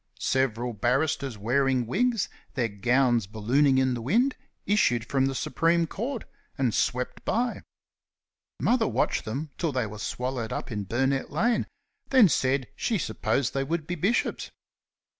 Several barristers wearing wigs, their gowns ballooning in the wind, issued from the Supreme Court and swept by. Mother watched them till they were swallowed up in Burnett lane, then said she supposed they would be bishops.